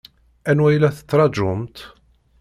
Anwa i la tettṛaǧumt?